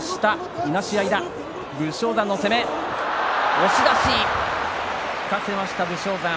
押し出し引かせました、武将山。